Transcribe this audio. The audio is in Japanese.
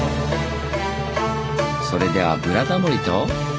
それでは「ブラタモリ」と。